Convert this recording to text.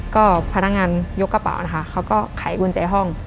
ก็พนักงานยกกระเป๋านะคะเขาก็ไขกุญแจห้อง